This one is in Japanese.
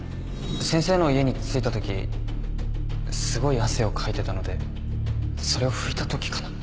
先生の家に着いたときすごい汗をかいてたのでそれを拭いたときかな